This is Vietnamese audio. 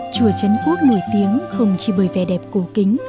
chùa trấn quốc nổi tiếng không chỉ bởi vẻ đẹp cổ kính